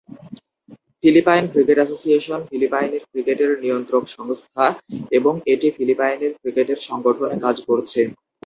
Philippine cricket association, ফিলিপাইনের ক্রিকেটের নিয়ন্ত্রক সংস্থা এবং এটি ফিলিপাইনের ক্রিকেটের সংগঠনে কাজ করছে।